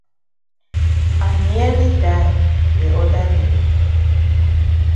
I nearly die de oda day.